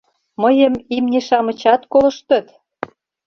Мыйым имне-шамычат колыштыт!